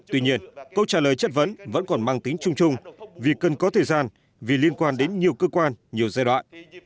tuy nhiên câu trả lời chất vấn vẫn còn mang tính chung chung vì cần có thời gian vì liên quan đến nhiều cơ quan nhiều giai đoạn